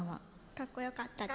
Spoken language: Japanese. かっこよかった！